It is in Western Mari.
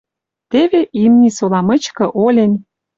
Теве имни сола мычкы олен